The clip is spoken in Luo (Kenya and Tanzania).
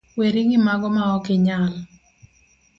weri gimago ma okinyal.